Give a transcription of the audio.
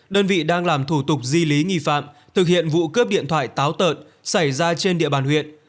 đơn vị đang làm thủ tục di lý nghi phạm thực hiện vụ cướp điện thoại táo tợn xảy ra trên địa bàn huyện